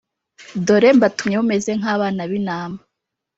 Dore mbatumye mumeze nk abana b intama